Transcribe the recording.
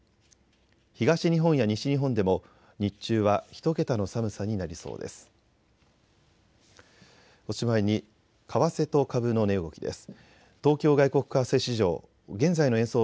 東日本や西日本でも日中は１桁の寒さになりそうです。